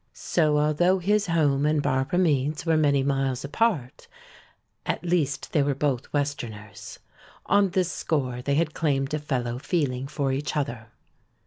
So, although his home and Barbara Meade's were many miles apart, at least they were both westerners. On this score they had claimed a fellow feeling for each other.